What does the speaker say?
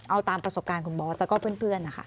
เอาตามประสบการณ์คุณบอสแล้วก็เพื่อนนะคะ